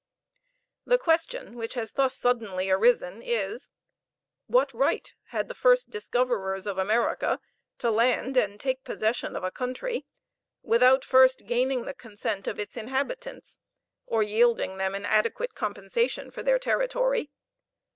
The question which has thus suddenly arisen is, What right had the first discoverers of America to land and take possession of a country without first gaining the consent of its inhabitants, or yielding them an adequate compensation for their territory?